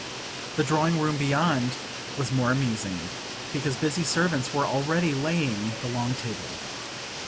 The dining room beyond was more amusing, because busy servants were already laying the long table.